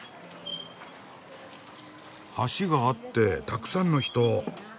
橋があってたくさんの人。